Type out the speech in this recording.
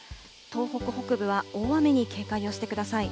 東北北部は大雨に警戒をしてください。